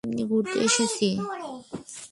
এমনি ঘুরতে এসেছি।